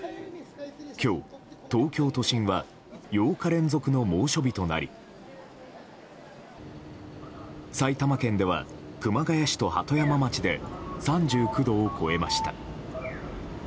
今日、東京都心は８日連続の猛暑日となり埼玉県では熊谷市と鳩山町で３９度を超えました。